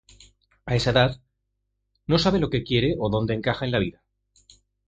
A esa edad, no sabe lo que quiere o dónde encaja en la vida.